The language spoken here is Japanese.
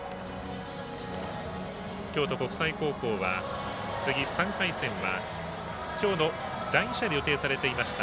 京都国際高校は、次、３回戦はきょうの第２試合で予定されていました